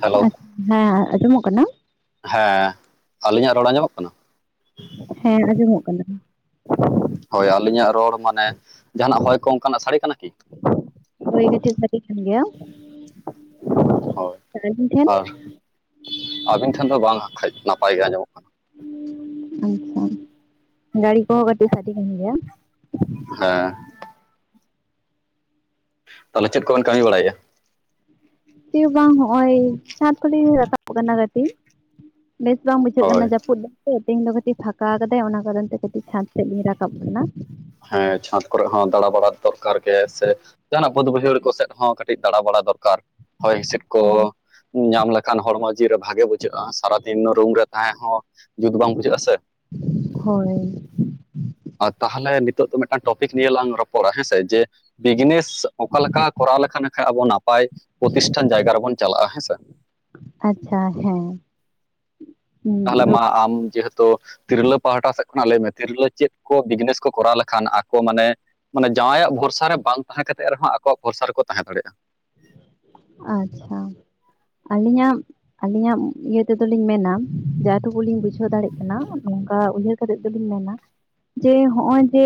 Hello? ᱟᱪᱪᱷᱟ ᱦᱮᱸ ᱟᱸᱡᱚᱢᱚᱜ ᱠᱟᱱᱟ? ᱦᱮᱸ ᱟᱞᱤᱧᱟᱜ ᱨᱚᱲ ᱟᱸᱡᱚᱢᱚᱜ ᱠᱟᱱᱟ? ᱦᱮᱸ ᱟᱸᱡᱚᱢᱚᱜ ᱠᱟᱱᱟ ᱾ ᱦᱳᱭ ᱟᱹᱞᱤᱧᱟᱜ ᱨᱚᱲ ᱢᱟᱱᱮ ᱡᱟᱦᱟᱱᱟᱜ ᱦᱚᱭ ᱠᱚ ᱚᱝᱠᱟᱱᱟᱜ ᱥᱟᱹᱲᱮ ᱠᱟᱱᱟ ᱠᱤ? ᱦᱳᱭ ᱠᱟᱹᱴᱤᱡ ᱥᱟᱰᱮ ᱠᱟᱱ ᱜᱮᱭᱟ ᱦᱳᱭ ᱟᱹᱞᱤᱧ ᱴᱷᱮᱱ? ᱟᱨ ᱟᱹᱵᱤᱱ ᱴᱷᱮᱱ ᱫᱚ ᱵᱟᱝ ᱦᱟᱸᱜᱠᱷᱟᱡ ᱱᱟᱯᱟᱭ ᱜᱮ ᱟᱸᱡᱚᱢᱚᱜ ᱠᱟᱱᱟ᱾ [inaudible] ᱟᱪᱪᱷᱟ ᱜᱟᱹᱲᱤ ᱠᱚᱦᱚᱸ ᱠᱟᱹᱴᱤᱡ ᱥᱟᱰᱮ ᱠᱟᱱ ᱜᱮᱭᱟ᱾ [inaudible] ᱦᱮᱸ᱾ ᱛᱟᱞᱮ ᱪᱮᱜ ᱠᱚᱵᱮᱱ ᱠᱟᱹᱢᱤ ᱵᱟᱲᱟᱭᱟ? ᱪᱮ ᱦᱚᱸ ᱵᱟᱝ ᱦᱚᱜᱼᱚᱭ ᱥᱟᱛ ᱦᱚᱞᱤᱧ ᱨᱟᱠᱟᱵ ᱠᱟᱱᱟ ᱠᱟᱹᱴᱤᱡ, ᱵᱮᱥ ᱵᱟᱝ ᱵᱩᱡᱷᱟᱹᱜ ᱦᱳᱭ ᱠᱟᱱᱟ ᱡᱟᱹᱯᱩᱫ ᱫᱚ ᱾ ᱯᱮ ᱛᱮᱦᱮᱧ ᱫᱚ ᱠᱟᱹᱴᱤᱡ ᱯᱷᱟᱸᱠᱟ ᱠᱟᱫᱟᱭ ᱚᱱᱟ ᱠᱟᱨᱚᱱ ᱛᱮ ᱠᱟᱹᱴᱤᱡ ᱪᱷᱟᱸᱫᱽ ᱥᱮᱫ ᱤᱧ ᱨᱟᱠᱟᱵ ᱠᱟᱱᱟ ᱾ ᱦᱮᱸ ᱪᱷᱟᱸᱫᱽ ᱠᱚᱨᱮ ᱦᱚᱸ ᱫᱟᱬᱟ ᱵᱟᱲᱟ ᱫᱚᱨᱠᱟᱨ ᱜᱮ ᱥᱮ, ᱡᱟᱦᱟᱱᱟᱜ ᱵᱟᱸᱫᱽ ᱵᱟᱹᱭᱦᱟᱹᱲ ᱠᱚ ᱥᱮᱫ ᱦᱚᱸ ᱠᱟᱹᱴᱤᱡ ᱫᱟᱬᱟ ᱵᱟᱲᱟ ᱫᱚᱨᱠᱟᱨ, ᱦᱚᱭ ᱦᱤᱸᱥᱤᱫ ᱠᱚ ᱧᱟᱢ ᱞᱮᱠᱷᱟᱱ ᱦᱚᱲᱢᱚ ᱡᱤᱣᱤ ᱨᱮ ᱵᱷᱟᱜᱮ ᱵᱩᱡᱷᱟᱹᱜᱼᱟ, ᱥᱟᱨᱟᱫᱤᱱ ᱨᱩᱢ ᱨᱮ ᱛᱟᱦᱮᱸ ᱦᱚᱸ ᱡᱩᱛ ᱵᱟᱝ ᱵᱩᱡᱷᱟᱹᱜᱼᱟ ᱥᱮ ᱾ [inaudible] ᱦᱳᱭ ᱾ ᱟᱨ ᱛᱟᱦᱟᱞᱮ ᱱᱤᱛᱚᱜ ᱫᱚ ᱢᱤᱫᱴᱟᱝ ᱴᱚᱯᱤᱠ ᱱᱤᱭᱮ ᱞᱟᱝ ᱨᱚᱯᱚᱲᱟ ᱦᱮᱸᱥᱮ, ᱡᱮ ᱵᱤᱡᱽᱱᱮᱥ ᱚᱠᱟᱠᱟ ᱠᱚᱨᱟᱣ ᱞᱮᱠᱟ ᱱᱟᱠᱷᱟ ᱟᱵᱚ ᱱᱟᱯ ᱾ ᱱᱟᱯᱟᱭ ᱯᱨᱚᱛᱤᱥᱴᱷᱟᱱ ᱡᱟᱭᱜᱟ ᱨᱮᱵᱚᱱ ᱪᱟᱞᱟᱜᱼᱟ ᱦᱮᱸᱥᱮ? ᱟᱪᱪᱷᱟ ᱦᱮᱸ, ᱛᱟᱦᱟᱞᱮ ᱢᱟ ᱟᱢ ᱡᱮᱦᱮᱛ ᱛᱚ ᱛᱤᱨᱞᱟᱹ ᱯᱟᱦᱴᱟ ᱥᱮᱫ ᱠᱷᱚᱱᱟᱜ ᱞᱟᱹᱭ ᱢᱮ ᱛᱤᱨᱞᱟᱹ ᱪᱮᱫ ᱠᱚ ᱵᱤᱡᱽᱱᱮᱥ ᱠᱚ ᱠᱚᱨᱟᱣ ᱞᱮᱠᱷᱟᱱ ᱟᱠᱚ ᱢᱟᱱᱮ ᱢᱟᱱᱮ ᱡᱟᱶᱟᱭᱟᱜ ᱵᱷᱚᱨᱥᱟ ᱨᱮ ᱵᱟᱝ ᱛᱟᱦᱮᱸ ᱠᱟᱛᱮᱫ ᱨᱮᱦᱚᱸ ᱟᱠᱚᱣᱟᱜ ᱵᱷᱚᱨᱥᱟ ᱨᱮᱠᱚ ᱛᱟᱦᱮᱸ ᱫᱟᱲᱮᱜᱼᱟ ᱾ ᱟᱪᱪᱷᱟ ᱟᱹᱞᱤᱧᱟᱜ ᱟᱹᱞᱤᱧᱟᱜ ᱤᱭᱟᱹ ᱛᱮᱫᱚᱞᱤᱧ ᱢᱮᱱᱟ ᱡᱟ ᱴᱩᱠᱩ ᱞᱤᱧ ᱵᱩᱡᱷᱟᱹᱣ ᱫᱟᱲᱮᱜ ᱠᱟᱱᱟ ᱱᱚᱝᱠᱟ ᱩᱭᱦᱟᱹᱨ ᱠᱟᱛᱮᱜ ᱫᱚᱞᱤᱧ ᱢᱮᱱᱟ ᱡᱮ ᱦᱚᱜᱼᱚᱭ ᱡᱮ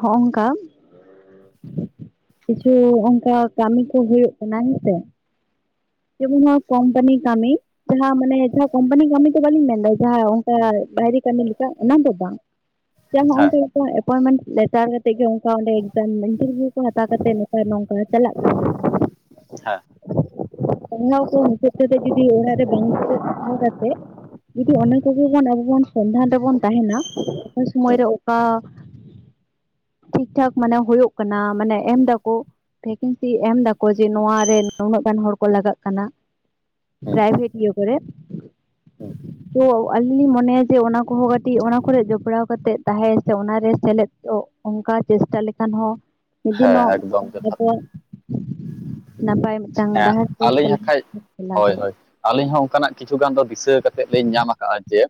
ᱦᱚᱜᱼᱚᱝᱠᱟ ᱾ [inaudible] ᱠᱤᱪᱷᱩ ᱚᱝᱠᱟ ᱠᱟᱹᱢᱤ ᱠᱚ ᱦᱩᱭᱩᱜ ᱠᱟᱱᱟ ᱦᱮᱸᱥᱮ ᱾ ᱡᱮᱢᱚᱱ ᱱᱟᱣᱟ ᱠᱳᱢᱯᱟᱱᱤ ᱠᱟᱹᱢᱤ ᱡᱟᱦᱟᱸ ᱢᱟᱱᱮ ᱡᱟᱦᱟᱸ ᱠᱚᱢᱯᱟᱱᱤ ᱠᱟᱹᱢᱤ ᱫᱚ ᱵᱟᱞᱤᱧ ᱢᱮᱱᱫᱟ ᱾ ᱡᱟᱦᱟᱸ ᱚᱝᱠᱟ ᱵᱟᱭᱨᱮ ᱠᱟᱹᱢᱤ ᱞᱮᱠᱟ ᱚᱱᱟᱫᱚ ᱵᱟᱝ ᱡᱟᱦᱟᱸ ᱦᱮᱸ ᱟᱢᱫᱚ ᱮᱯᱚᱭᱮᱱᱢᱮᱱᱴ ᱞᱮᱛᱟᱨ ᱨᱮ ᱛᱮ ᱜᱮ ᱚᱱᱠᱟ ᱚᱸᱰᱮ ᱮᱠᱡᱟᱢ ᱤᱱᱴᱟᱨᱵᱷᱤᱭᱩ ᱠᱚ ᱦᱟᱛᱟᱣ ᱠᱟᱛᱮᱫ ᱱᱚᱝᱠᱟ ᱱᱚᱝᱠᱟ ᱪᱟᱞᱟᱜ ᱠᱟᱱ ᱜᱮᱭᱟ ᱾ [inaudible] ᱦᱮᱸ ᱾ ᱯᱟᱲᱦᱟᱣ ᱠᱚ ᱢᱩᱪᱟᱹᱫ ᱠᱟᱛᱮ ᱡᱩᱫᱤ ᱚᱲᱟᱜ ᱨᱮ ᱵᱟᱝ ᱫᱩᱨᱩᱵ ᱛᱟᱦᱮᱸ ᱠᱟᱛᱮ ᱾ ᱡᱩᱫᱤ ᱚᱱᱟ ᱠᱚᱜᱮ ᱵᱚᱱ ᱟᱵᱚ ᱵᱚᱱ ᱥᱚᱱᱫᱷᱟᱱ ᱨᱮᱵᱚᱱ ᱛᱟᱦᱮᱱᱟ ᱾ ᱚᱠᱚᱭ ᱥᱩᱢᱚᱭᱨᱮ ᱦᱩᱸ ᱚᱠᱟ ᱴᱷᱤᱠ ᱴᱷᱟᱠ ᱢᱟᱱᱮ ᱦᱳᱭᱳᱜ ᱠᱟᱱᱟ ᱢᱟᱱᱮ ᱮᱢ ᱫᱟᱠᱚ, ᱵᱷᱮᱠᱮᱱᱥᱤ ᱮᱢ ᱫᱟᱠᱚ ᱡᱮ ᱱᱚᱣᱟ ᱨᱮ ᱱᱩᱱᱟᱹᱜ ᱜᱟᱱ ᱦᱚᱲ ᱠᱚ ᱞᱟᱜᱟᱜ ᱠᱟᱱᱟ ᱦᱩᱸ ᱯᱨᱟᱭᱵᱷᱮᱴ ᱤᱭᱟᱹ ᱠᱚᱨᱮ ᱾ [inaudible] ᱛᱚ ᱟᱹᱞᱤᱧ ᱞᱤᱧ ᱢᱚᱱᱮᱭᱟ ᱡᱮ ᱚᱱᱟ ᱠᱚᱦᱚᱸ ᱠᱟᱹᱴᱤᱡ ᱚᱱᱟ ᱠᱚᱨᱮ ᱡᱚᱯᱲᱟᱣ ᱠᱟᱛᱮ ᱛᱟᱦᱮᱸ ᱥᱮ ᱚᱱᱟᱨᱮ ᱥᱮᱞᱮᱫᱚᱜ ᱚᱱᱠᱟ ᱪᱮᱥᱴᱟ ᱞᱮᱠᱷᱟᱱ ᱦᱚᱸ ᱢᱤᱜ ᱦᱮᱸ ᱫᱤᱱᱚᱜ [inaudible] ᱮᱠᱫᱚᱢ ᱡᱚᱛᱷᱟᱛ ᱠᱟᱛᱮ [inaudible] ᱱᱟᱯᱟᱭ ᱢᱤᱫᱴᱟᱝ ᱦᱮᱸ ᱰᱟᱦᱟᱨ ᱛᱮ ᱟᱹᱞᱤᱧ ᱦᱟᱠᱷᱟᱡ ᱪᱟᱞᱟᱣ ᱦᱳᱭ ᱫᱟᱲᱮᱭᱟᱜᱼᱟ ᱦᱳᱭ ᱟᱹᱞᱤᱧ ᱦᱚᱸ ᱚᱱᱠᱟᱱᱟᱜ ᱠᱤᱪᱷᱩ ᱜᱟᱱ ᱫᱚ ᱫᱤᱥᱟᱹ ᱠᱟᱛᱮᱜ ᱠᱟᱛᱮᱜ ᱞᱤᱧ ᱧᱟᱢ ᱠᱟᱜᱼᱟ ᱡᱮ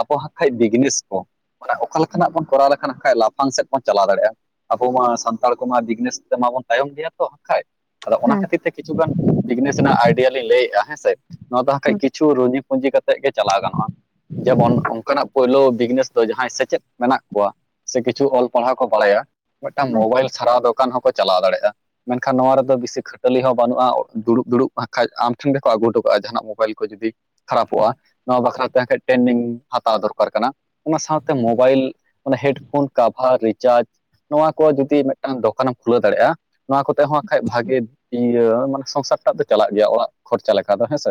ᱟᱵᱚ ᱦᱟᱸᱜ ᱠᱷᱟᱡ ᱵᱤᱜᱽᱱᱮᱥ ᱠᱚ ᱾ ᱢᱟᱱᱮ ᱚᱠᱟ ᱞᱮᱠᱟᱱᱟᱜ ᱵᱚᱱ ᱠᱚᱨᱟᱣ ᱞᱮᱠᱷᱟᱱ ᱦᱟᱠᱷᱟᱡ ᱞᱟᱯᱷᱟᱝ ᱥᱮᱫ ᱵᱚᱱ ᱪᱟᱞᱟᱣ ᱫᱟᱲᱮᱭᱟᱜᱼᱟ ᱟᱵᱚ ᱢᱟ ᱥᱟᱱᱛᱟᱲᱤ ᱥᱟᱱᱛᱟᱲ ᱠᱚᱢᱟ ᱫᱤᱜᱱᱮᱥ ᱛᱮᱢᱟᱵᱚᱱ ᱛᱟᱭᱚᱢ ᱜᱮᱭᱟ ᱛᱚ ᱦᱟᱠᱷᱟᱡ ᱟᱫᱚ ᱚᱱᱟ ᱦᱮᱸ ᱠᱷᱟᱹᱛᱤᱨ ᱛᱮ ᱠᱤᱪᱷᱩ ᱜᱟᱱ ᱵᱤᱜᱽᱱᱮᱥ ᱨᱮᱱᱟᱜ ᱟᱭᱰᱤᱭᱟ ᱞᱤᱧ ᱞᱮᱭᱮᱜᱼᱟ ᱦᱮᱸ ᱥᱮ ᱾ ᱱᱚᱣᱟ ᱫᱚ ᱦᱟᱸᱠᱷᱟᱡ ᱠᱤᱪᱷᱩ ᱨᱩᱡᱤ ᱯᱩᱸᱡᱤ ᱠᱟᱛᱮ ᱜᱮ ᱪᱟᱞᱟᱣ ᱜᱟᱱᱚᱜᱼᱟ ᱾ ᱡᱮᱵᱚᱱ ᱚᱱᱠᱟᱱᱟᱜ ᱯᱳᱭᱞᱳ ᱵᱤᱜᱽᱱᱮᱥ ᱫᱚ ᱡᱟᱦᱟᱸᱭ ᱥᱮᱪᱮᱫ ᱢᱮᱱᱟᱜ ᱠᱚᱣᱟ ᱾ ᱥᱮ ᱠᱤᱪᱷᱩ ᱚᱞ ᱯᱟᱲᱦᱟᱣ ᱠᱚ ᱵᱟᱲᱟᱭᱟ ᱢᱤᱜᱴᱟᱝ ᱢᱳᱵᱟᱭᱤᱞ ᱥᱟᱨᱟᱣ ᱫᱚᱠᱟᱱ ᱦᱚᱸᱠᱚ ᱪᱟᱞᱟᱣ ᱫᱟᱲᱮᱭᱟᱜᱼᱟ ᱾ ᱢᱮᱱᱠᱷᱟᱱ ᱱᱚᱣᱟ ᱨᱮᱫᱚ ᱵᱮᱥᱤ ᱦᱚᱸ ᱠᱷᱟᱴᱟᱹᱞᱤ ᱦᱚᱸ ᱵᱟᱹᱱᱩᱜᱼᱟ ᱫᱩᱲᱩᱵ ᱫᱩᱲᱩᱵ ᱦᱟᱸᱜ ᱠᱷᱟᱡ ᱟᱢ ᱴᱷᱮᱱ ᱜᱮᱠᱚ ᱟᱹᱜᱩ ᱦᱚᱴᱚ ᱠᱟᱜᱼᱟ ᱡᱟᱦᱟᱱᱟᱜ ᱢᱳᱵᱟᱭᱤᱞ ᱠᱚ ᱡᱩᱫᱤ ᱾ ᱠᱷᱟᱨᱟᱯᱚᱜᱼᱟ ᱱᱚᱣᱟ ᱵᱟᱠᱷᱨᱟᱛᱮ ᱴᱨᱮᱱᱤᱝ ᱦᱟᱛᱟᱣ ᱫᱚᱨᱠᱟᱨ ᱠᱟᱱᱟ ᱚᱱᱟ ᱥᱟᱶᱛᱮ ᱢᱳᱵᱟᱭᱤᱞ ᱚᱱᱟ ᱦᱮᱰᱯᱷᱳᱱ, ᱠᱟᱵᱷᱟᱨ, ᱨᱤᱪᱟᱨᱡᱽ ᱱᱚᱣᱟ ᱠᱚ ᱡᱩᱫᱤ ᱢᱤᱫᱴᱟᱝ ᱫᱚᱠᱟᱱᱮᱢ ᱠᱷᱩᱞᱟᱹᱣ ᱫᱟᱲᱮᱭᱟᱜᱼᱟ᱾ ᱱᱚᱣᱟ ᱠᱚᱛᱮ ᱦᱚᱸ ᱵᱟᱠᱷᱟᱡ ᱵᱷᱟᱜᱮ ᱤᱭᱟᱹ ᱢᱟᱱᱮ ᱥᱚᱝᱥᱟᱨ ᱴᱟᱜ ᱫᱚ ᱪᱟᱞᱟᱜ ᱜᱮᱭᱟ ᱚᱲᱟᱜ ᱠᱷᱚᱨᱪᱟ ᱞᱮᱠᱟ ᱫᱚ ᱦᱮᱸᱥᱮ᱾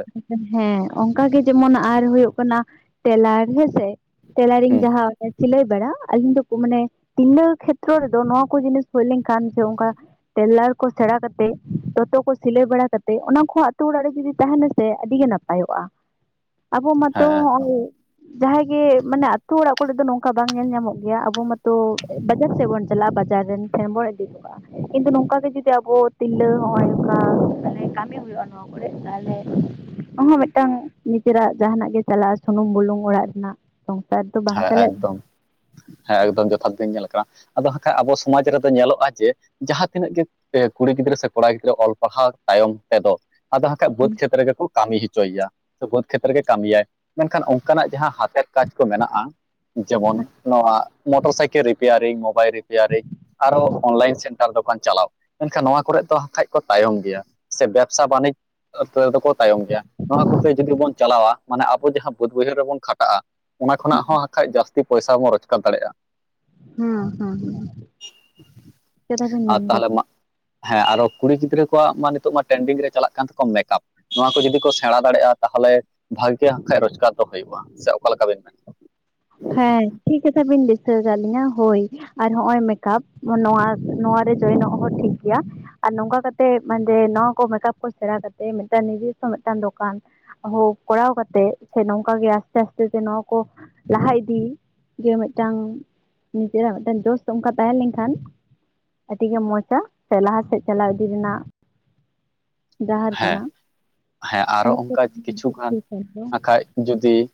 ᱦᱮᱸ ᱚᱱᱠᱟ ᱜᱮ ᱟᱨ ᱡᱮᱢᱚᱱ ᱟᱨ ᱦᱩᱭᱩᱜ ᱠᱟᱱᱟ ᱴᱮᱞᱟᱨ ᱦᱮᱸᱥᱮ᱾ ᱴᱮᱞᱟᱨᱤᱝ ᱦᱮᱸ ᱡᱟᱦᱟᱸ ᱥᱤᱞᱟᱹᱭ ᱵᱟᱲᱟ ᱟᱹᱞᱤᱧ ᱫᱚ ᱢᱟᱱᱮ ᱛᱤᱱᱟᱹ ᱠᱷᱮᱛᱨᱚ ᱨᱮᱫᱚ ᱱᱚᱣᱟ ᱠᱚ ᱡᱤᱱᱤᱥ ᱦᱩᱭ ᱞᱮᱱᱠᱷᱟᱱ ᱡᱮ ᱚᱱᱠᱟ ᱴᱮᱞᱟᱨ ᱠᱚ ᱥᱮᱬᱟ ᱠᱟᱛᱮᱫ ᱫᱚᱛᱚ ᱠᱚ ᱥᱤᱞᱟᱹᱭ ᱵᱟᱲᱟ ᱠᱟᱛᱮᱫ ᱚᱱᱟ ᱠᱚ ᱟᱛᱳ ᱚᱲᱟᱜ ᱨᱮ ᱡᱩᱫᱤ ᱛᱟᱦᱮᱱᱟ ᱾ ᱥᱮ ᱟᱹᱰᱤ ᱜᱮ ᱱᱟᱯᱟᱭᱚᱜᱼᱟ ᱟᱵᱚ ᱢᱟᱛᱚ ᱦᱮᱸ ᱮᱠᱫᱚᱢ ᱦᱚᱸᱜᱼᱚᱭ ‍‍᱾ ᱡᱟᱦᱟᱸᱭ ᱜᱮ ᱢᱟᱱᱮ ᱟᱛ ᱚᱲᱟᱜ ᱠᱚᱨᱮ ᱫᱚ ᱱᱚᱝᱠᱟ ᱵᱟᱝ ᱧᱮᱞ ᱧᱟᱢᱚᱜ ᱜᱮᱭᱟ ᱟᱵᱚ ᱢᱟᱛᱚ ᱵᱟᱡᱟᱨ ᱥᱮᱫ ᱵᱚᱱ ᱾ ᱪᱟᱞᱟᱜ ᱵᱟᱡᱟᱨ ᱨᱮᱱ ᱴᱷᱮᱱ ᱵᱚᱱ ᱤᱫᱤ ᱠᱟᱜᱼᱟ᱾ ᱠᱤᱱᱛᱩ ᱱᱚᱝᱠᱟ ᱜᱮ ᱡᱩᱫᱤ ᱟᱵᱚ ᱛᱤᱨᱞᱟᱹ ᱦᱚᱸᱜᱼᱚᱭ ᱱᱚᱝᱠᱟᱮ ᱠᱟᱹᱢᱤ ᱦᱩᱭᱩᱜᱼᱟ ᱱᱚᱣᱟ ᱠᱚᱨᱮ ᱛᱟᱦᱞᱮ ᱚᱦᱚᱸ ᱢᱤᱫᱴᱟᱝ ᱱᱤᱡᱮᱨᱟᱜ ᱡᱟᱦᱟᱱᱟᱜ ᱜᱮ ᱪᱟᱞᱟᱜᱼᱟ ᱥᱩᱱᱩᱢ ᱵᱩᱞᱩᱝ ᱚᱲᱟᱜ ᱨᱮᱱᱟᱜ ᱾ ᱥᱚᱝᱥᱟᱨ ᱫᱚ ᱦᱮᱸ ᱮᱠᱫᱚᱢ ᱦᱮᱸ ᱮᱠᱫᱚᱢ ᱡᱚᱛᱷᱟᱛ ᱵᱤᱧ ᱧᱮᱞ ᱠᱟᱜ-ᱟ᱾ ᱟᱫᱚ ᱦᱟᱠᱷᱟᱡ ᱟᱵᱚ ᱥᱚᱢᱟᱡᱽ ᱨᱮᱫᱚ ᱧᱮᱞᱚᱜᱼᱟ ᱡᱮ ᱡᱟᱦᱟᱸ ᱛᱤᱱᱟᱹᱜ ᱜᱮ ᱠᱩᱲᱤ ᱜᱤᱫᱽᱨᱟᱹ ᱥᱮ ᱠᱚᱲᱟ ᱜᱤᱫᱽᱨᱟᱹ ᱚᱞ ᱯᱟᱲᱦᱟᱣ ᱛᱟᱭᱚᱢ ᱛᱮᱫᱚ ᱟᱫᱚ ᱦᱟᱜᱠᱷᱟ ᱵᱟᱹᱫᱽ ᱦᱮᱸ ᱠᱷᱮᱛᱨᱮ ᱨᱮᱜᱮ ᱠᱚ ᱠᱟᱹᱢᱤ ᱦᱚᱪᱚᱭ ᱜᱮᱭᱟ ᱾ ᱵᱟᱹᱫᱽ ᱠᱷᱮᱛᱨᱮ ᱜᱮ ᱠᱟᱹᱢᱤᱭᱟᱭ ᱢᱮᱱᱠᱷᱟᱱ ᱚᱱᱠᱟᱱᱟᱜ ᱡᱟᱦᱟᱸ ᱦᱟᱛᱮᱨ ᱠᱟᱡᱽ ᱠᱚ ᱢᱮᱱᱟᱜᱼᱟ ᱾ ᱡᱮᱢᱚᱱ ᱱᱚᱣᱟ motor cycle repairing mobile repairing. ᱟᱨᱚ ᱚᱱᱞᱟᱭᱤᱱ ᱥᱮᱱᱴᱟᱨ ᱫᱳᱠᱟᱱ ᱪᱟᱞᱟᱣ ᱾ ᱢᱮᱱᱱᱠᱷᱟᱱ ᱱᱚᱣᱟ ᱠᱚᱨᱮᱜ ᱫᱚᱠᱷᱟᱡ ᱠᱚ ᱛᱟᱭᱚᱢ ᱜᱮᱭᱟ ᱥᱮ ᱵᱮᱵᱽᱥᱟ ᱵᱟᱱᱤᱡᱽ ᱾ ᱫᱚᱠᱚ ᱛᱟᱭᱚᱢ ᱜᱮᱭᱟ ᱱᱚᱣᱟ ᱠᱚᱛᱮ ᱡᱩᱫᱤ ᱵᱚᱱ ᱪᱟᱞᱟᱣᱟ ᱢᱟᱱᱮ ᱟᱵᱚ ᱡᱟᱦᱟᱸ ᱵᱟᱹᱫᱽ ᱵᱟᱹᱭᱦᱟᱹᱲ ᱨᱮᱵᱚᱱ ᱠᱷᱟᱴᱟᱜᱼᱟ ᱾ ᱚᱱᱟ ᱠᱷᱚᱱᱟᱜ ᱦᱚᱸ ᱦᱟᱠᱷᱟᱡ ᱡᱟᱹᱥᱛᱤ ᱯᱚᱭᱥᱟ ᱵᱚᱱ ᱨᱳᱡᱽᱜᱟᱨ ᱫᱟᱲᱮᱭᱟᱜᱼᱟ ᱾ ᱦᱩᱸ ᱦᱩᱸ ᱦᱩᱸ ᱪᱮᱫᱟ ᱵᱤᱱ ᱟᱨ ᱢᱮᱱᱫᱟ? ᱛᱟᱦᱚᱞᱮ ᱢᱟ ᱦᱮᱸ ᱟᱨᱚ ᱠᱩᱲᱤ ᱜᱤᱫᱽᱨᱟᱹ ᱠᱚᱣᱟᱜ ᱢᱟ ᱱᱤᱛᱚᱜ ᱢᱟ ᱴᱨᱮᱱᱰᱤᱝ ᱨᱮ ᱪᱟᱞᱟᱜ ᱠᱟᱱ ᱛᱟᱠᱚᱣᱟ ᱢᱮᱠᱟᱯ ᱾ ᱱᱚᱣᱟ ᱠᱚ ᱡᱩᱫᱤ ᱠᱚ ᱥᱮᱬᱟ ᱫᱟᱲᱮᱭᱟᱜᱼᱟ ᱛᱟᱦᱚᱞᱮ ᱵᱷᱟᱜᱮ ᱦᱟᱜ ᱠᱷᱟᱱᱡ ᱨᱳᱡᱽᱜᱟᱨ ᱫᱚ ᱦᱩᱭᱩᱜᱼᱟ ᱥᱮ ᱚᱠᱟ ᱞᱮᱠᱟ ᱵᱮᱱ ᱢᱮᱱᱟ? ᱦᱮᱸ ᱴᱷᱤᱠ ᱠᱟᱛᱷᱟ ᱵᱤᱱ ᱫᱤᱥᱟᱹ ᱟᱠᱟᱫ ᱞᱤᱧᱟ ᱦᱳᱭ ᱾ ᱟᱨ ᱱᱚᱜᱚᱭ ᱢᱮᱠᱟᱯ ᱱᱚᱣᱟ ᱱᱚᱟᱨ ᱨᱮ ᱡᱚᱭᱮᱱᱚᱜ ᱦᱚᱸ ᱴᱷᱤᱠ ᱜᱮᱭᱟ ᱾ ᱟᱨ ᱱᱚᱝᱠᱟ ᱠᱟᱛᱮᱜ ᱢᱟᱱᱮ ᱱᱚᱣᱟ ᱠᱚ ᱢᱮᱠᱟᱯ ᱠᱚ ᱥᱮᱬᱟ ᱠᱟᱛᱮᱫ ᱢᱤᱫᱴᱟᱝ ᱱᱤᱡᱮᱥᱥᱚ ᱢᱤᱫᱴᱟᱝ ᱫᱚᱠᱟᱱ ᱾ ᱠᱚᱨᱟᱣ ᱠᱟᱛᱮᱜ ᱥᱮ ᱱᱚᱝᱠᱟ ᱜᱮ ᱟᱥᱛᱮ ᱟᱥᱛᱮ ᱥᱮ ᱱᱚᱣᱟ ᱠᱚ ᱞᱟᱦᱟ ᱤᱫᱤ ᱡᱮ ᱢᱤᱫᱴᱟᱝ ᱱᱤᱡᱮᱨᱟᱜ ᱢᱤᱫᱴᱟᱝ ᱫᱚᱳᱥ ᱚᱱᱠᱟ ᱛᱟᱦᱮᱸ ᱞᱮᱱᱠᱷᱟᱱ ᱾ ᱟᱹᱰᱤ ᱜᱮ ᱢᱚᱸᱡᱟ ᱥᱮ ᱞᱟᱦᱟ ᱥᱮᱫ ᱪᱟᱞᱟᱣ ᱤᱫᱤ ᱨᱮᱱᱟᱜ ᱰᱟᱦᱟᱨ ᱦᱮᱸ ᱠᱟᱱᱟ ᱦᱮᱸ ᱟᱨᱚ ᱚᱱᱠᱟ ᱠᱤᱪᱷᱩ ᱜᱟᱱ [inaudible] ᱦᱟᱸᱜᱠᱷᱟᱡ ᱡᱩᱫᱤ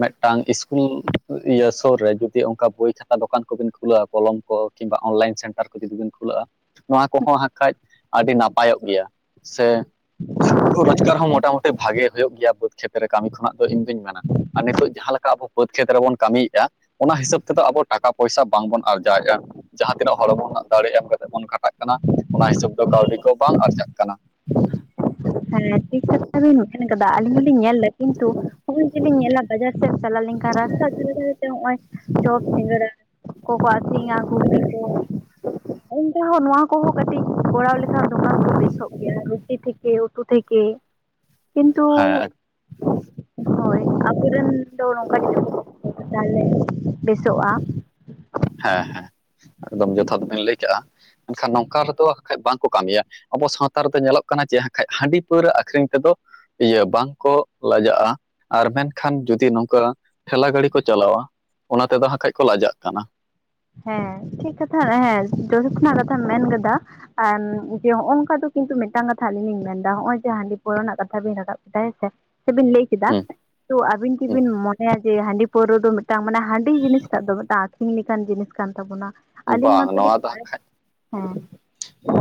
ᱢᱤᱫᱴᱟᱝ ᱤᱥᱠᱩᱞ ᱾ ᱤᱭᱟᱹ ᱥᱩᱨ ᱨᱮ ᱡᱩᱫᱤ ᱚᱱᱠᱟ ᱵᱳᱭ ᱠᱷᱟᱛᱟ ᱫᱚᱠᱟᱱ ᱠᱚᱵᱤᱱ ᱠᱷᱩᱞᱟᱹᱼᱟ ᱠᱚᱞᱚᱢ ᱠᱚ ᱠᱤᱢᱵᱟ ᱚᱱᱞᱟᱭᱤᱱ ᱥᱮᱱᱴᱟᱨ ᱾ ᱠᱚ ᱡᱩᱫᱤ ᱵᱤᱱ ᱠᱷᱩᱞᱟᱹᱜᱼᱟ ᱱᱚᱣᱟ ᱠᱚᱦᱚᱸ ᱦᱟᱠᱷᱟᱡ ᱟᱹᱰᱤ ᱱᱟᱯᱟᱭᱚᱜ ᱜᱮᱭᱟ ᱥᱮ [unintelligible] ᱨᱳᱡᱽᱜᱟᱨ ᱦᱚᱸ ᱢᱚᱴᱟᱢᱩᱴᱤ ᱵᱷᱟᱜᱮ ᱦᱩᱭᱩᱜ ᱜᱮᱭᱟ ᱵᱟᱹᱫᱽ ᱠᱷᱮᱛᱨᱮ ᱠᱟᱹᱢᱤ ᱠᱷᱚᱱᱟᱜ ᱫᱚ ᱤᱧ ᱫᱩᱧ ᱢᱮᱱᱟ ᱾ ᱟᱨ ᱱᱤᱛᱚᱜ ᱡᱟᱦᱟᱸ ᱞᱮᱠᱟ ᱟᱵᱚ ᱵᱟᱹᱫᱽ ᱠᱷᱮᱛ ᱨᱮᱵᱚᱱ ᱠᱟᱹᱢᱤᱭᱮᱫᱼᱟ ᱚᱱᱟ ᱦᱤᱥᱟᱹᱵ ᱛᱮᱫᱚ ᱟᱵᱚ ᱴᱟᱠᱟ ᱯᱚᱭᱥᱟ ᱵᱟᱝᱵᱚᱱ ᱟᱨᱡᱟᱣᱮᱫᱼᱟ ᱡᱟᱦᱟᱸ ᱛᱤᱱᱟᱹᱜ ᱦᱚᱲ ᱵᱚ ᱫᱟᱲᱮ ᱮᱢ ᱠᱟᱛᱮ ᱵᱚᱱ ᱠᱷᱟᱴᱟᱜ ᱾ ᱠᱟᱱᱟ ᱚᱱᱟ ᱦᱤᱥᱟᱹᱵ ᱫᱚ ᱠᱟᱹᱣᱰᱤ ᱠᱚ ᱵᱟᱝ ᱟᱨᱡᱟᱜ ᱠᱟᱱᱟ ᱾ ᱦᱮᱸ ᱴᱷᱤᱠ ᱠᱟᱛᱷᱟ ᱵᱤᱱ ᱩᱪᱷᱟᱹᱱ ᱠᱟᱫᱟ ᱟᱹᱞᱤᱧ ᱦᱚᱞᱤᱧ ᱧᱮᱞᱫᱟ ᱠᱤᱱᱛᱩ ᱾ ᱦᱚᱸᱜᱼᱚᱭ ᱡᱩᱫᱤᱧ ᱧᱮᱞᱟ ᱵᱟᱡᱟᱨ ᱥᱮᱫ ᱪᱟᱞᱟᱣ ᱞᱮᱱᱠᱷᱟᱱ ᱨᱟᱥᱛᱟ ᱫᱷᱟᱨᱮ ᱫᱷᱟᱨᱮᱛᱮ ᱱᱚᱜ ᱚᱚᱭ ᱡᱚᱯ ᱥᱤᱸᱜᱟᱹᱲᱟ ᱾ ᱠᱚᱠᱚ ᱟᱹᱠᱷᱨᱤᱧᱟ ᱜᱷᱩᱜᱲᱤ ᱠᱚ ᱚᱱᱠᱟ ᱦᱚᱸ ᱱᱚᱣᱟ ᱠᱚ ᱾ ᱦᱟᱹᱠᱩ ᱦᱚᱸ ᱠᱟᱹᱴᱤᱡ ᱠᱚᱨᱟᱣ ᱞᱮᱠᱷᱟᱱ ᱫᱚᱠᱟᱱ ᱦᱚᱸ ᱵᱮᱥᱚᱜ ᱜᱮᱭᱟ ᱨᱩᱴᱤ ᱛᱷᱮᱠᱮ ᱩᱛᱩ ᱛᱷᱮᱠᱮ ᱾ ᱠᱤᱱᱛᱩ, ᱦᱮᱸ [unintelligible] ᱦᱳᱭ, ᱟᱵᱚᱨᱮᱱ ᱫᱚ ᱱᱚᱝᱠᱟ ᱡᱩᱫᱤ ᱠᱚᱣᱟ ᱛᱟᱦᱚᱞᱮ ᱵᱮᱥᱚᱜᱼᱟ ᱾ ᱦᱮᱸ ᱦᱮᱸ ᱮᱠᱫᱚᱢ ᱡᱚᱛᱷᱟᱫᱽ ᱵᱤᱱ ᱞᱟᱹᱭ ᱠᱟᱜᱼᱟ ᱢᱮᱱᱠᱷᱟᱱ ᱱᱚᱝᱠᱟ ᱨᱮ ᱫᱚ ᱵᱟᱠᱷᱟᱡ ᱵᱟᱝᱠᱚ ᱠᱟᱹᱢᱤᱭᱟ ᱾ ᱟᱵᱚ ᱥᱟᱶᱛᱟ ᱨᱮ ᱫᱚ ᱧᱮᱞᱚᱜ ᱠᱟᱱᱟ ᱡᱮᱠᱟᱱ ᱦᱟᱺᱰᱤ ᱯᱟᱹᱣᱨᱟᱹ ᱟᱹᱷᱨᱤᱧ ᱛᱮ ᱫᱚ ᱾ ᱤᱭᱟᱹ ᱵᱟᱝᱠᱚ ᱞᱟᱡᱟᱜᱼᱟ ᱟᱨ ᱢᱮᱱ ᱠᱷᱟᱱ ᱡᱩᱫᱤ ᱱᱚᱝᱠᱟ ᱴᱷᱮᱞᱟ ᱜᱟᱹᱲᱤ ᱠᱚ ᱪᱟᱞᱟᱣᱟ ᱚᱱᱟ ᱛᱮᱫᱚ ᱦᱟᱸᱜ ᱠᱷᱟᱡ ᱠᱚ ᱞᱟᱡᱟᱜ ᱠᱟᱱᱟ ᱾ ᱦᱮᱸ ᱴᱷᱤ ᱠᱟᱛᱷᱟ ᱦᱮᱸ ᱡᱚᱥᱚ ᱠᱷᱚᱱᱟᱜ ᱠᱟᱛᱷᱟᱢ ᱢᱮᱱ ᱠᱟᱫᱟ᱾ ᱮᱢ ᱡᱮ ᱱᱚᱜᱼᱚ ᱱᱚᱝᱠᱟ ᱫᱚ ᱠᱤᱱᱛᱩ ᱢᱤᱫᱴᱟᱝ ᱠᱟᱛᱷᱟ ᱟᱞᱤᱧ ᱞᱤᱧ ᱢᱮᱱᱫᱟ ᱱᱚᱜᱼᱚᱭ ᱡᱮ ᱦᱟᱺᱰᱤ ᱯᱟᱹᱣᱨᱟᱹ ᱨᱮᱱᱟᱜ ᱠᱟᱛᱷᱟ ᱵᱤᱱ ᱨᱟᱠᱟᱵ ᱠᱮᱫᱟ ᱦᱮᱸ ᱥᱮ ᱾ ᱥᱮᱵᱤᱱ ᱞᱟᱹᱭ ᱠᱮᱫᱟ, ᱦᱩᱸ ᱦᱩᱸ ᱛᱚ ᱟᱹᱵᱤᱱ ᱠᱤᱵᱤᱱ ᱢᱚᱱᱮᱭᱟ ᱡᱮ ᱦᱟᱺᱰᱤ ᱯᱟᱹᱣᱨᱟᱹ ᱫᱚ ᱢᱤᱫᱴᱟᱝ, ᱢᱟᱱᱮ ᱦᱟᱺᱰᱤ ᱡᱤᱱᱤᱥ ᱴᱟᱜ ᱫᱚ ᱢᱮᱫᱴᱟᱝ ᱟᱠᱷᱨᱤᱧ ᱞᱮᱠᱟᱱ ᱡᱤᱱᱤᱥ ᱠᱟᱱ ᱛᱟᱵᱚᱱᱟ? ᱟᱹᱞᱤᱧ ᱵᱟᱝ, ᱱᱚᱣᱟ ᱢᱟᱛᱚᱞᱤᱧ ᱫᱚ ᱦᱟᱸᱜ ᱠᱷᱟᱡ ᱦᱮᱸ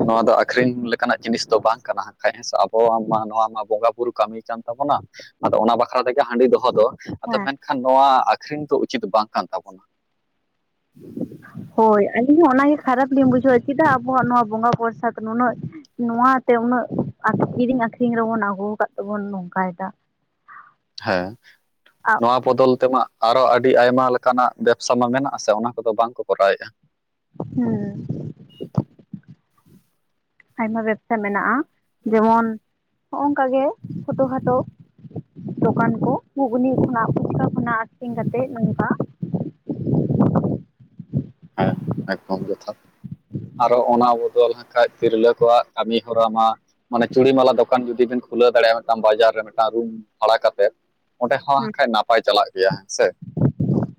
ᱱᱚᱣᱟ ᱫᱚ ᱟᱹᱠᱷᱨᱤᱧ ᱞᱮᱠᱟᱱᱟᱜ ᱡᱤᱱᱤᱥ ᱫᱚ ᱵᱟᱝ ᱠᱟᱱᱟ ᱦᱟᱸᱜ ᱠᱷᱟᱡ ᱦᱮᱸ ᱥᱮ, ᱟᱵᱚᱣᱟᱝ ᱢᱟ ᱱᱚᱣᱟ ᱢᱟ ᱵᱚᱸᱜᱟ ᱵᱩᱨᱩ ᱠᱟᱹᱢᱤ ᱠᱟᱱ ᱛᱟᱵᱚᱱᱟ, ᱟᱫᱚ ᱚᱱᱟ ᱵᱟᱠᱷᱨᱟ ᱛᱮ ᱜᱮ ᱦᱟᱺᱰᱤ ᱫᱚᱦᱚ ᱫᱚ᱾ ᱟᱫᱚ ᱦᱮᱸ ᱢᱮᱱ ᱠᱷᱟᱱ ᱱᱚᱣᱟ ᱟᱹᱠᱷᱨᱤᱧ ᱫᱚ ᱩᱪᱤᱛ ᱵᱟᱝ ᱠᱟᱱ ᱛᱟᱵᱚᱱᱟ ᱾ ᱦᱳᱭ, ᱟᱹᱞᱤᱧ ᱦᱚᱸ ᱚᱱᱟ ᱜᱮ ᱠᱷᱟᱨᱟᱯ ᱞᱤᱧ ᱵᱩᱡᱷᱟᱹᱣᱟ ᱪᱮᱫᱟᱜ ᱟᱵᱚᱣᱟᱜ ᱱᱚᱣᱟ ᱵᱚᱸᱜᱟ ᱯᱨᱚᱥᱟᱫᱽ ᱱᱩᱱᱟᱹᱜ ᱱᱚᱣᱟ ᱛᱮ ᱩᱱᱟᱹᱜ ᱠᱤᱨᱤᱧ ᱟᱠᱷᱨᱤᱧ ᱨᱮᱵᱚᱱ ᱟᱹᱜᱩ ᱠᱟᱫ ᱛᱮᱵᱚᱱ ᱱᱚᱝᱠᱟᱭᱫᱟ ᱾ ᱦᱮᱸ, ᱱᱚᱣᱟ ᱵᱚᱫᱚᱞ ᱛᱮᱢᱟ, ᱟᱨᱚ ᱟᱹᱰᱤ ᱟᱭᱢᱟ ᱞᱮᱠᱟᱱᱟᱜ ᱵᱮᱵᱽᱥᱟ ᱢᱟ ᱢᱮᱱᱟᱜᱼᱟ ᱥᱮ ᱚᱱᱟ ᱠᱚ ᱫᱚ ᱵᱟᱝ ᱠᱚ ᱠᱚᱨᱟᱣᱮᱜᱼᱟ ᱾ ᱦᱩᱸᱻ, ᱟᱭᱢᱟ ᱵᱮᱵᱽᱥᱟ ᱢᱮᱱᱟᱜᱼᱟ, ᱡᱮᱢᱚᱱ ᱦᱚᱜᱼᱚᱝᱠᱟ ᱜᱮ, ᱪᱷᱳᱴᱳ ᱠᱷᱟᱴᱳ ᱫᱚᱠᱟᱱ ᱠᱚ ᱜᱷᱩᱜᱽᱱᱤ ᱠᱷᱚᱱᱟᱜ ᱯᱷᱩᱪᱠᱟ ᱠᱷᱚᱱᱟᱜ ᱟᱹᱠᱷᱨᱤᱧ ᱠᱟᱛᱮᱜ ᱱᱚᱝᱠᱟ᱾ ᱦᱮᱸ, ᱮᱠᱫᱚᱢ ᱡᱚᱛᱷᱟᱛ ᱾ ᱟᱨᱚ ᱚᱱᱟ ᱵᱚᱫᱚᱞ ᱦᱟᱸᱜ ᱠᱷᱟᱡ ᱛᱤᱨᱞᱟᱹ ᱠᱚᱣᱟᱜ ᱠᱟᱹᱢᱤ ᱦᱚᱨᱟ ᱢᱟ ᱢᱟᱱᱮ, ᱪᱩᱲᱤ ᱢᱟᱞᱟ ᱫᱚᱠᱟᱱ ᱡᱩᱫᱤᱵᱤᱱ ᱠᱷᱩᱞᱟᱹᱣ ᱫᱟᱲᱮᱭᱟᱜᱼᱟ ᱢᱮᱫᱴᱟᱝ ᱵᱟᱡᱟᱨ ᱨᱮ ᱢᱮᱫᱴᱟᱝ ᱨᱩᱢ ᱵᱷᱟᱲᱟ ᱠᱟᱛᱮᱫ ᱚᱸᱰᱮ ᱦᱚᱸ ᱦᱟᱸᱜ ᱦᱩᱸ ᱠᱷᱟᱡ ᱱᱟᱯᱟᱭ ᱪᱟᱞᱟᱜ ᱜᱮᱭᱟ ᱦᱮᱸ ᱥᱮ?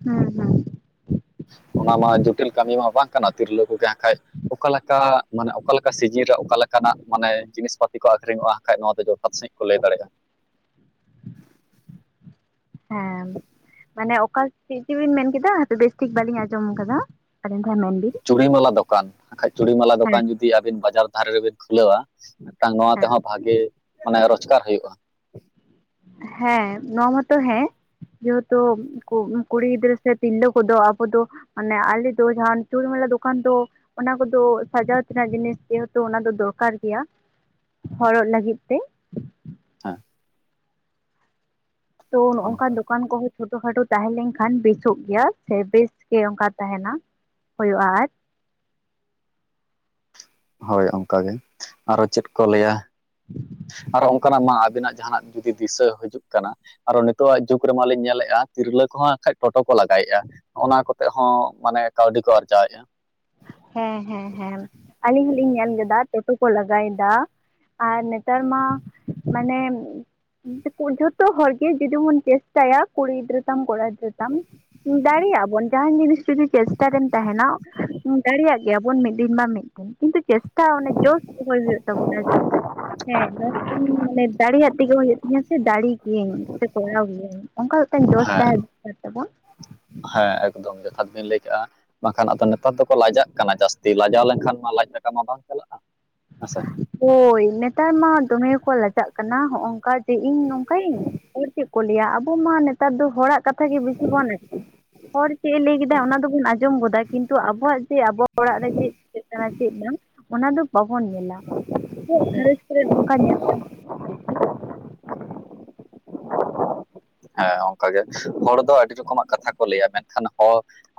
ᱦᱩᱸ ᱦᱩᱸ, ᱚᱱᱟ ᱢᱟ ᱡᱚᱴᱤᱞ ᱠᱟᱹᱢᱤ ᱢᱟ ᱵᱟᱝ ᱠᱟᱱᱟ ᱛᱤᱨᱞᱟᱹ ᱠᱚ ᱜᱮ ᱦᱟᱸᱜ ᱠᱷᱟᱡ ᱚᱠᱟ ᱞᱮᱠᱟ, ᱢᱟᱱᱮ ᱚᱠᱟ ᱞᱮᱠᱟ ᱥᱤᱡᱤᱱ ᱨᱮ ᱚᱠᱟ ᱞᱮᱠᱟᱱᱟᱜ ᱢᱟᱱᱮ ᱡᱤᱱᱤᱥ ᱯᱟᱹᱛᱤ ᱠᱚ ᱟᱠᱷᱨᱤᱧᱚᱜᱼᱟ ᱾ ᱠᱷᱟᱡ ᱱᱚᱣᱟ ᱫᱚ ᱡᱚᱛᱷᱟᱛ ᱥᱟᱺᱦᱤᱡ ᱠᱚ ᱞᱟᱹᱭᱫᱟᱲᱮᱜᱼᱟ ᱾ ᱦᱮᱸ, ᱢᱟᱱᱮ ᱚᱠᱟ ᱪᱮᱫ ᱪᱩᱵᱤᱱ ᱢᱮᱱ ᱠᱮᱫᱟ ᱵᱮᱥᱴᱷᱤᱠ ᱵᱟᱹᱞᱤᱧ ᱟᱸᱡᱚᱢ ᱠᱟᱫᱟ ᱾ [inaudible] ᱪᱩᱲᱤ ᱢᱟᱞᱟ ᱫᱚᱠᱟᱱ ᱦᱟᱸᱜ ᱠᱷᱟᱡ ᱪᱩᱲᱤ ᱢᱟᱞᱟ ᱦᱮᱸ ᱫᱚᱠᱟᱱ ᱡᱩᱫᱤ ᱟᱹᱵᱤᱱ ᱵᱟᱡᱟᱨ ᱫᱷᱟᱨᱮ ᱨᱮ ᱵᱤᱱ ᱠᱷᱩᱞᱟᱹᱣᱟ ᱢᱮᱫᱴᱟᱝ ᱱᱚᱣᱟ ᱛᱮ ᱦᱮᱸ ᱦᱚᱸ ᱵᱷᱟᱜᱮ ᱢᱟᱱᱮ ᱨᱚᱡᱽᱠᱟᱨ ᱦᱳᱭᱳᱜᱼᱟ ᱾ ᱦᱮᱸ, ᱱᱚᱣᱟ ᱢᱟᱛᱚ ᱦᱮᱸ ᱡᱷᱚᱛᱚ ᱠᱩᱲᱤ ᱜᱤᱫᱽᱨᱟᱹ ᱥᱮ ᱛᱤᱨᱞᱟᱹ ᱠᱚ ᱫᱚ ᱟᱵᱚ ᱫᱚ ᱢᱟᱱᱮ, ᱟᱞᱮ ᱫᱚ ᱡᱟᱦᱟᱱ ᱪᱩᱲᱤ ᱢᱟᱞᱟ ᱫᱚᱠᱟᱱ ᱫᱚ ᱚᱱᱟ ᱠᱚ ᱫᱚ ᱥᱟᱡᱟᱣ ᱛᱮᱱᱟᱜ ᱡᱤᱱᱤᱥ ᱡᱮᱦᱮᱛᱩ ᱚᱱᱟ ᱫᱚ ᱫᱚᱨᱠᱟᱨ ᱜᱮᱭᱟ ᱦᱚᱨᱚᱜ ᱞᱟᱹᱜᱤᱫ ᱛᱮ᱾ ᱦᱮᱸ, ᱛᱳ, ᱱᱚᱜᱼᱚᱝᱠᱟ ᱚᱱᱠᱟ ᱫᱚᱠᱟᱱ ᱠᱚ ᱦᱚᱸ ᱪᱷᱳᱴᱳ ᱠᱷᱟᱴᱳ ᱛᱟᱦᱮᱸ ᱞᱮᱱᱠᱷᱟᱱ ᱵᱮᱥᱚᱜ ᱜᱮᱭᱟ, ᱥᱮ ᱵᱮᱥ ᱜᱮ ᱚᱜᱠᱟ ᱛᱟᱦᱮᱱᱟ ᱦᱳᱭᱳᱜᱼᱟ ᱟᱨ ᱾ ᱦᱳᱭ ᱚᱱᱠᱟ ᱜᱮ, ᱟᱨᱚ ᱪᱮᱫ ᱠᱚ ᱞᱟᱹᱭᱟ ᱾ ᱟᱨᱚ ᱚᱝᱠᱟᱱᱟᱜ ᱢᱟ ᱟᱵᱤᱱᱟᱜ ᱡᱟᱦᱟᱸᱱᱟᱜ ᱡᱩᱫᱤ ᱫᱤᱥᱟᱹ ᱦᱤᱡᱩᱜ ᱠᱟᱱᱟ ᱾ ᱟᱨᱚ ᱱᱮᱛᱳᱜᱼᱟᱜ ᱡᱩᱜᱽ ᱨᱮ ᱢᱟᱞᱤᱧ ᱧᱮᱞᱮᱜᱼᱟ ᱛᱤᱨᱞᱟᱹ ᱠᱚᱦᱚᱸ ᱦᱟᱸᱜᱠᱷᱟᱡ ᱴᱳᱴᱳ ᱠᱚ ᱞᱟᱜᱟᱭᱮᱜᱼᱟ ᱾ ᱚᱱᱟ ᱠᱚᱛᱮᱜ ᱦᱚᱸ ᱢᱟᱱᱮ ᱠᱟᱹᱣᱰᱤ ᱠᱚ ᱟᱨᱡᱟᱣᱮᱜᱼᱟ ᱾ ᱦᱮᱸ ᱦᱮᱸ ᱦᱮᱸ ᱟᱹᱞᱤᱧ ᱦᱚᱞᱤᱧ ᱧᱮᱞ ᱞᱮᱫᱟ ᱴᱮᱴᱳ ᱠᱚ ᱞᱟᱜᱟᱭᱫᱟ ᱾ ᱟᱨ ᱱᱮᱛᱟᱨ ᱢᱟ ᱢᱟᱱᱮ ᱡᱷᱚᱛᱚ ᱦᱚᱲ ᱜᱮ ᱡᱮ ᱡᱮᱢᱚᱱ ᱪᱮᱥᱴᱟᱭᱟ ᱠᱩᱲᱤ ᱜᱤᱫᱽᱨᱟᱹ ᱛᱟᱢ ᱠᱚᱲᱟ ᱛᱟᱢ ᱫᱟᱲᱮᱭᱟᱜᱼᱟ ᱵᱚᱱ ᱡᱟᱦᱟᱸᱱ ᱡᱤᱱᱤᱥ ᱡᱩᱫᱤ ᱪᱮᱥᱴᱟ ᱨᱮᱢ ᱛᱟᱦᱮᱸᱱᱟ ᱫᱟᱲᱮᱭᱟᱜ ᱜᱮᱭᱟ ᱢᱤᱫ ᱫᱤᱱ ᱢᱟ ᱢᱤᱫ ᱠᱤᱱᱛᱩ ᱪᱮᱥᱴᱟ ᱚᱱᱮ ᱡᱳᱥ ᱫᱚᱦᱚᱭ ᱦᱳᱭᱳᱜ ᱛᱟᱵᱚᱱᱟ ᱡᱮ ᱦᱮᱸ ᱤᱧ ᱢᱟᱱᱮ ᱫᱟᱲᱮᱭᱟᱜ ᱛᱮᱜᱮ ᱦᱳᱭᱳᱜ ᱛᱤᱧᱟ ᱥᱮ ᱫᱟᱲᱮ ᱜᱤᱭᱟᱹᱧ ᱥᱮ ᱠᱚᱨᱟᱣ ᱜᱤᱭᱟᱹᱧ ᱚᱱᱠᱟ ᱢᱮᱫᱴᱟᱝ ᱡᱳᱥ ᱦᱮᱸ ᱛᱟᱦᱮᱸ ᱫᱚᱨᱠᱟᱨ ᱛᱟᱵᱚᱱᱟ ᱾ ᱦᱮᱸ ᱮᱠᱫᱚᱢ ᱡᱚᱛᱷᱟᱛ ᱵᱤᱱ ᱞᱟᱹᱭ ᱠᱟᱜᱼᱟ ᱾ ᱵᱟᱝᱠᱷᱟᱱ ᱟᱫᱚ ᱱᱮᱛᱟᱨ ᱫᱚᱠᱚ ᱞᱟᱡᱟᱜ ᱠᱟᱱᱟ ᱡᱟᱥᱛᱤ, ᱞᱟᱡᱟᱣ ᱞᱮᱱᱠᱷᱟᱱ ᱢᱟ ᱞᱟᱡ ᱠᱟᱴᱟ ᱢᱟ ᱵᱟᱝ ᱪᱟᱞᱟᱜᱼᱟ ᱦᱮᱸᱥᱮ ᱾ ᱦᱳᱭ ᱱᱮᱛᱟᱨ ᱢᱟ ᱫᱚᱢᱮ ᱠᱚ ᱞᱟᱡᱟᱜ ᱠᱟᱱᱟ ᱦᱚᱜᱼᱚᱝᱠᱟ ᱡᱮ ᱤᱧ ᱱᱚᱝᱠᱟ ᱭᱟᱹᱧ᱾ ᱦᱚᱲ ᱪᱮᱫ ᱠᱚ ᱞᱟᱹᱭᱟ ᱟᱵᱚ ᱢᱟ ᱱᱮ ᱱᱮᱛᱟᱨ ᱫᱚ ᱦᱚᱲᱟᱜ ᱠᱟᱛᱷᱟ ᱜᱮ ᱵᱮᱥᱤ ᱵᱚᱱ ᱦᱚᱲ ᱪᱮᱫ ᱮ ᱞᱟᱹᱭ ᱠᱮᱫᱟ ᱚᱱᱟ ᱫᱚᱵᱚᱱ ᱟᱸᱡᱚᱢ ᱜᱚᱫᱟ ᱠᱤᱱᱛᱩ ᱟᱵᱚᱣᱟᱜ ᱡᱮ ᱟᱵᱚ ᱚᱲᱟᱜ ᱨᱮ ᱪᱮᱫ ᱪᱤᱠᱟᱹᱜ ᱠᱟᱱᱟ ᱪᱮᱫ ᱵᱟᱝ ᱚᱱᱟ ᱫᱚ ᱵᱟᱵᱚᱱ ᱧᱮᱞᱟ ᱟᱵᱚᱣᱟᱜ ᱜᱷᱟᱨᱚᱸᱡᱽ ᱠᱚᱨᱮ ᱱᱚᱝᱠᱟ ᱧᱮᱞᱟᱢ ᱵᱮᱥᱤ᱾ ᱦᱮᱸ ᱚᱱᱠᱟᱜ ᱜᱮ ᱦᱚᱲ ᱫᱚ ᱟᱹᱰᱤ ᱨᱚᱠᱚᱢᱟᱜ ᱠᱟᱛᱷᱟ ᱠᱚ ᱞᱟᱹᱭᱟ ᱢᱮᱱᱠᱷᱟᱱ ᱦᱚ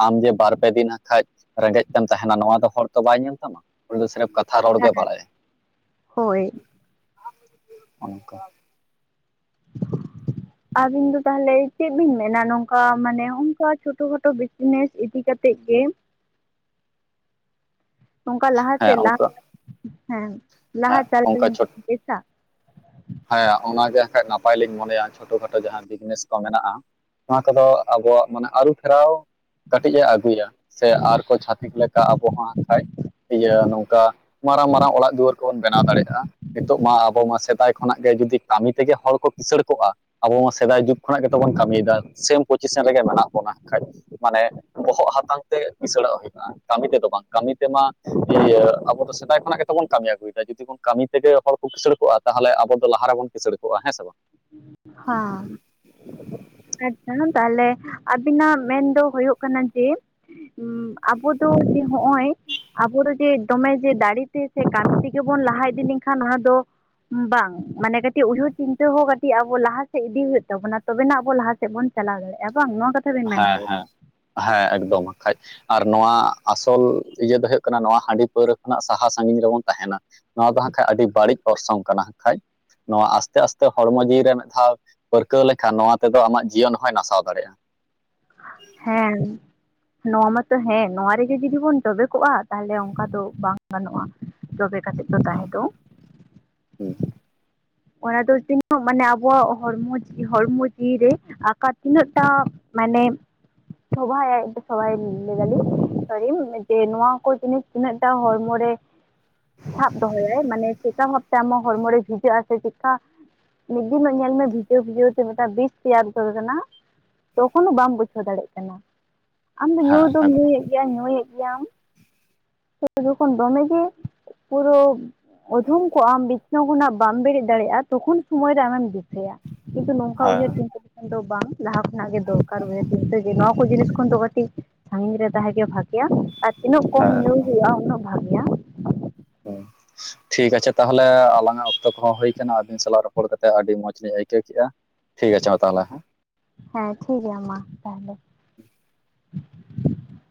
ᱟᱢ ᱡᱮ ᱵᱟᱨ ᱯᱮ ᱫᱤᱱ ᱠᱷᱟᱡ ᱨᱮᱸᱜᱮᱡ ᱛᱮᱢ ᱛᱟᱦᱮᱱᱟ ᱱᱚᱣᱟ ᱫᱚ ᱦᱚᱲ ᱛᱚ ᱵᱟᱭ ᱧᱮᱞ ᱛᱟᱢᱟ᱾ ᱩᱱᱤ ᱫᱚ ᱥᱨᱮᱯ ᱠᱟᱛᱷᱟ ᱨᱚᱲ ᱵᱟᱲᱟᱭᱟ ᱦᱳᱭ ᱚᱱᱠᱟ᱾ [inaudible] ᱟᱵᱤᱱ ᱫᱚ ᱛᱟᱦᱚᱞᱮ ᱪᱮᱫ ᱵᱤᱱ ᱢᱮᱱᱟ ᱱᱚᱝᱠᱟ ᱢᱟᱱᱮ ᱚᱱᱠᱟ ᱪᱷᱳᱴᱳ ᱠᱷᱟᱴᱳ ᱱᱮᱥ ᱤᱫᱤ ᱠᱟᱛᱮᱫ ᱜᱮ [inaudible] ᱚᱱᱠᱟ ᱞᱟᱦᱟ ᱦᱮᱸ ᱥᱮᱫ ᱞᱟᱦᱟ ᱚᱱᱠᱟ ᱦᱮᱸ ᱞᱟᱦᱟ ᱦᱮᱸ ᱚᱱᱠᱟ ᱪᱷᱚ [unintelligible] ᱵᱮᱥᱟ ᱦᱮᱸ ᱚᱱᱟᱜᱮ ᱠᱷᱟᱡ ᱱᱟᱯᱟᱭ ᱞᱤᱧ ᱢᱚᱱᱮᱭᱟ ᱪᱷᱳᱴᱳ ᱠᱷᱟᱴᱳ ᱡᱟᱦᱟᱸ ᱵᱤᱡᱽᱱᱮᱥ ᱠᱚ ᱢᱮᱱᱟᱜᱼᱟ ᱱᱚᱣᱟ ᱠᱚᱫᱚ ᱟᱵᱚᱣᱟᱜ ᱢᱟᱱᱮ ᱟᱹᱨᱩ ᱯᱷᱮᱨᱟᱣ᱾ ᱠᱟᱹᱴᱤᱡ ᱮ ᱟᱹᱜᱩᱭᱟ ᱥᱮ ᱟᱨᱠᱚ ᱪᱷᱟᱹᱛᱤᱠ ᱞᱮᱠᱟ ᱟᱵᱚ ᱦᱚᱸ ᱠᱷᱟᱡ ᱤᱭᱟᱹ ᱱᱚᱝᱠᱟ ᱢᱟᱨᱟᱝ ᱢᱟᱨᱟᱝ ᱚᱲᱟᱜ ᱫᱩᱣᱟᱹᱨ ᱠᱚᱵᱚᱱ ᱵᱮᱱᱟᱣ ᱫᱟᱲᱮᱭᱟᱜᱼᱟ ᱱᱤᱛᱚᱜ ᱢᱟ ᱟᱵᱚ ᱢᱟ ᱥᱮᱫᱟᱭ ᱠᱷᱚᱱᱟᱜ ᱜᱮ ᱡᱩᱫᱤ ᱠᱟᱹᱢᱤ ᱛᱮᱜᱮ ᱦᱚᱲ ᱠᱚ ᱠᱤᱥᱟᱹᱲ ᱠᱚᱜᱼᱟ᱾ ᱟᱵᱚ ᱢᱟ ᱥᱮᱫᱟᱭ ᱡᱩᱜᱽ ᱠᱷᱚᱱᱟᱜ ᱜᱮᱛᱚ ᱵᱚᱱ ᱠᱟᱹᱢᱤᱭᱮᱫᱟ ᱥᱮᱢ ᱯᱚᱡᱤᱥᱮᱱ ᱨᱮᱜᱮ ᱢᱮᱱᱟᱜ ᱵᱚᱱᱟ ᱠᱷᱟᱡ ᱢᱟᱱᱮ ᱵᱚᱦᱚᱜ ᱦᱟᱛᱟᱝ ᱛᱮ ᱠᱤᱥᱟᱹᱲᱚᱜ ᱦᱩᱭᱩᱜ ᱟ ᱠᱟᱹᱢᱤ ᱛᱮᱫᱚ ᱵᱟᱝ ᱠᱟᱹᱢᱤ ᱛᱮᱢᱟ ᱤᱭᱟᱹ ᱟᱵᱚ ᱫᱚ ᱥᱮᱫᱟᱭ ᱠᱷᱚᱱᱟᱜ ᱜᱮᱛ ᱵᱚᱱ ᱠᱟᱹᱢᱤ ᱟᱹᱜᱩᱭᱮᱫᱟ ᱡᱩᱫᱤ ᱵᱚᱱ ᱠᱟᱹᱢᱤ ᱛᱮᱜᱮ ᱦᱚᱲ ᱠᱚ ᱠᱤᱥᱟᱹᱲ ᱠᱚᱜᱼᱟ ᱛᱟᱦᱚᱞᱮ ᱟᱵᱚ ᱫᱚ ᱞᱟᱦᱟ ᱨᱮᱵᱚᱱ ᱠᱤᱥᱟᱹᱲ ᱠᱚᱜᱼᱟ ᱦᱮᱸ ᱥᱮ ᱵᱟᱝ᱾ ᱦᱚᱸ᱾ ᱟᱪᱪᱷᱟ ᱛᱟᱦᱚᱞᱮ ᱟᱵᱤᱱᱟᱜ ᱢᱮᱱ ᱫᱚ ᱦᱩᱭᱩᱜ ᱠᱟᱱᱟ ᱡᱮ ᱟᱵᱚ ᱫᱚ ᱡᱮ ᱦᱚᱜᱼᱚᱭ ᱟᱵᱚ ᱫᱚ ᱡᱮ ᱫᱚᱢᱮ ᱡᱮ ᱫᱟᱲᱮᱛᱮ ᱥᱮ ᱠᱟᱹᱢᱤ ᱛᱮᱜᱮ ᱵᱚᱱ ᱞᱟᱦᱟ ᱤᱫᱤ ᱞᱮᱱᱠᱷᱟᱱ ᱚᱱᱟ ᱫᱚ ᱵᱟᱝ ᱢᱟᱱᱮ ᱠᱟᱹᱴᱤᱡ ᱩᱭᱦᱟᱹᱨ ᱪᱤᱱᱛᱟᱹ ᱦᱚᱸ ᱠᱟᱹᱴᱤᱡ ᱵᱚ ᱞᱟᱦᱟ ᱥᱮᱫ ᱤᱫᱤ ᱦᱩᱭᱩᱜ ᱛᱟᱵᱚᱱᱟ ᱛᱚᱵᱮ ᱱᱟ ᱟᱵᱚ ᱞᱟᱦᱟ ᱥᱮᱫ ᱵᱚᱱ ᱪᱟᱞᱟᱣ ᱫᱟᱲᱮᱭᱟᱜᱼᱟ ᱵᱟᱝ ᱱᱚᱣᱟ ᱠᱟᱛᱷᱟ᱾ ᱵᱮᱱ ᱢᱮᱱ ᱦᱮᱸ ᱦᱚᱪᱚᱭᱮᱫᱟ ᱦᱮᱸ ᱦᱮᱸ ᱮᱠᱫᱚᱢ ᱟᱠᱷᱟᱡ᱾ ᱟᱨ ᱱᱚᱣᱟ ᱟᱥᱚᱞ ᱤᱭᱟᱹ ᱫᱚ ᱦᱩᱭᱩᱜ ᱠᱟᱱᱟ ᱱᱚᱣᱟ ᱦᱟᱺᱰᱤ ᱯᱟᱹᱣᱨᱟᱹ ᱠᱷᱚᱱᱟᱜ ᱥᱟᱦᱟ ᱥᱟᱺᱜᱤᱧ ᱨᱮᱵᱚᱱ ᱛᱟᱦᱮᱱᱟ᱾ ᱱᱚᱣᱟ ᱫᱚ ᱦᱟᱸᱜ ᱠᱷᱟᱡ ᱟᱹᱰᱤ ᱵᱟᱹᱲᱤᱡ ᱚᱨᱥᱚᱝ ᱠᱟᱱᱟ ᱠᱷᱟᱡ᱾ ᱱᱚᱣᱟ ᱟᱥᱛᱮ ᱟᱥᱛᱮ ᱦᱚᱲᱢᱚ ᱡᱤᱣᱤ ᱨᱮ ᱢᱤᱫ ᱫᱷᱟᱣ ᱯᱟᱹᱨᱠᱟᱹᱣ ᱞᱮᱠᱷᱟᱱ ᱱᱚᱣᱟ ᱛᱮᱫᱚ ᱟᱢᱟᱜ ᱡᱤᱭᱚᱱ ᱦᱚᱸᱭ ᱱᱟᱥᱟᱣ ᱫᱟᱲᱮᱭᱟᱜᱼᱟ ᱾ ᱦᱮᱸ᱾ ᱱᱚᱣᱟ ᱢᱟᱛᱚ ᱦᱮᱸ ᱱᱚᱣᱟ ᱨᱮᱜᱮ ᱡᱩᱫᱤ ᱵᱚᱱ ᱡᱚᱵᱮ ᱠᱚᱜᱼᱟ ᱛᱟᱦᱚᱞᱮ ᱚᱱᱠᱟ ᱫᱚ ᱵᱟᱝ ᱜᱟᱱᱚᱜᱼᱟ ᱾ ᱡᱚᱵᱮ ᱠᱟᱛᱮᱫ ᱫᱚ ᱛᱟᱦᱮᱸ ᱫᱚ [unintelligible] ᱚᱱᱟ ᱫᱚ ᱛᱤᱱᱟᱹᱜ ᱢᱟᱱᱮ ᱟᱵᱚᱣᱟᱜ ᱦᱚᱲᱢᱚ ᱡᱤᱣᱤ ᱦᱚᱲᱢᱚ ᱡᱤᱣᱤ ᱨᱮ ᱟᱠᱟ ᱛᱤᱱᱟᱹᱜ ᱴᱟ ᱢᱟᱱᱮ ᱥᱚᱵᱷᱟᱭᱟᱭ ᱥᱚᱵᱟᱭ ᱟᱭ ᱞᱟᱹᱭ ᱫᱟᱞᱤᱧ ᱥᱚᱨᱤ ᱡᱮ ᱱᱚᱣᱟ ᱠᱚ ᱡᱤᱱᱤᱥ ᱛᱤᱱᱟᱹᱜᱴᱟ ᱦᱚᱲᱢᱚ ᱨᱮ [inaudible] ᱥᱟᱵ ᱫᱚᱦᱚᱭᱟᱭ ᱢᱟᱱᱮ ᱪᱮᱠᱟ ᱵᱷᱟᱵᱛᱮ ᱟᱢᱟᱜ ᱦᱚᱲᱢᱚ ᱨᱮ ᱵᱷᱤᱡᱟᱹᱜᱼᱟ ᱥᱮ ᱪᱮᱫᱠᱟ ᱢᱤᱫ ᱫᱤᱱᱚᱜ ᱧᱮᱞ ᱢᱮ ᱵᱷᱤᱡᱟᱹᱣ ᱵᱷᱤᱡᱟᱹᱣ ᱛᱮ ᱢᱤᱫᱴᱟᱝ ᱵᱤᱥ ᱛᱮᱭᱟᱨ ᱩᱛᱟᱹᱨ ᱟᱠᱟᱱᱟ ᱛᱚᱠᱷᱚᱱᱳ ᱵᱟᱢ ᱵᱩᱡᱷᱟᱹᱣ ᱫᱟᱲᱮᱜ ᱠᱟᱱᱟ ᱟᱢ ᱫᱚ ᱦᱮᱸ ᱧᱩ ᱫᱚᱢ ᱧᱩᱭᱮᱫ ᱧᱩᱭᱮᱫ ᱜᱮᱭᱟᱢ, ᱛᱚ ᱡᱚᱠᱷᱚᱱ ᱫᱚᱢᱮ ᱜᱮ ᱯᱩᱨᱟᱹ ᱚᱫᱷᱚᱢ ᱠᱚᱜ ᱟᱢ ᱵᱤᱪᱷᱱᱟᱹ ᱠᱷᱚᱱᱟᱜ ᱵᱟᱢ ᱵᱮᱨᱮᱫ ᱫᱟᱲᱮᱜᱼᱟ ᱛᱚᱠᱷᱚᱱ ᱥᱚᱢᱚᱭ ᱨᱮ ᱟᱢᱮᱢ ᱫᱤᱥᱟᱹᱭᱟ, ᱠᱤᱱᱛᱩ ᱱᱚᱝᱠᱟ ᱩᱭᱦᱟᱹᱨ ᱦᱮᱸ ᱪᱤᱱ ᱫᱚ ᱵᱟᱝ ᱞᱟᱦᱟ ᱠᱷᱚᱱᱟᱜ ᱜᱮ ᱫᱚᱨᱠᱟᱨ ᱜᱮ ᱵᱚᱞᱮ ᱪᱤᱱᱛᱟᱹ ᱡᱮ ᱱᱚᱣᱟ ᱡᱤᱱᱤᱥ ᱠᱷᱚᱱ ᱫᱚ ᱠᱟᱹᱴᱤᱡ ᱥᱟᱺᱜᱤᱧ ᱨᱮ ᱛᱟᱦᱮᱸᱜᱮ ᱵᱷᱟᱜᱮᱭᱟ ᱟᱨ ᱛᱤᱱᱟᱹᱜ ᱠᱚᱢ ᱦᱮᱸ ᱧᱩ ᱦᱩᱭᱩᱜᱼᱟ ᱩᱱᱟᱹᱜ ᱵᱷᱟᱜᱮᱭᱟ ᱾ ᱦᱚᱸ ᱴᱷᱤᱠ ᱟᱪᱷᱮ ᱛᱟᱦᱚᱞᱮ ᱟᱞᱟᱝᱟᱜ ᱚᱠᱛᱚ ᱠᱚᱦᱚᱸ ᱦᱩᱭ ᱟᱠᱟᱱᱟ ᱟᱹᱵᱤᱱ ᱥᱟᱞᱟᱜ ᱨᱚᱯᱚᱲ ᱠᱟᱛᱮ ᱟᱹᱰᱤ ᱢᱚᱸᱡᱽ ᱞᱤᱧ ᱟᱹᱭᱠᱟᱹᱣ ᱠᱮᱜᱼᱟ᱾ ᱴᱷᱤᱠ ᱟᱪᱷᱮ ᱦᱚᱸᱛᱟᱦᱚᱞᱮ ᱦᱮᱸ᱾ ᱦᱮᱸ ᱴᱷᱤᱠ ᱜᱮᱭᱟ ᱢᱟ ᱛᱟᱦᱚᱞᱮ ᱾